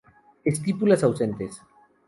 Estípulas ausentes.